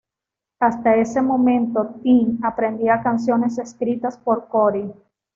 Hasta ese momento Tim aprendía canciones escritas por Corey.